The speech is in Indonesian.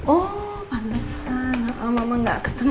oh pantesan mama gak ketemu